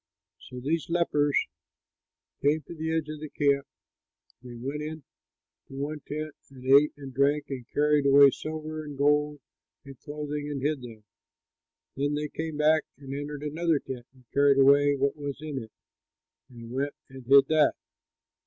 When these lepers came to the edge of the camp, they went into one tent and ate and drank and carried away silver and gold and clothing and hid them. Then they came back and entered another tent and carried away what was in it and went and hid that.